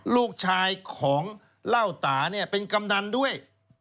ลูกชายของเล่าตาเนี่ยเป็นกำนันด้วย